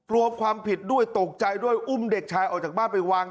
รวมความผิดด้วยตกใจด้วยอุ้มเด็กชายออกจากบ้านไปวาง